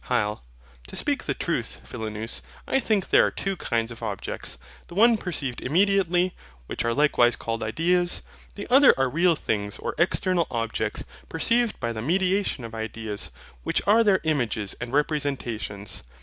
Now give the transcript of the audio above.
HYL. To speak the truth, Philonous, I think there are two kinds of objects: the one perceived immediately, which are likewise called IDEAS; the other are real things or external objects, perceived by the mediation of ideas, which are their images and representations.